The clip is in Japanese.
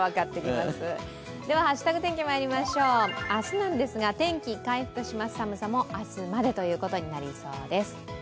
まいりましょう、明日なんですが、天気回復します、寒さも明日までということになりそうです。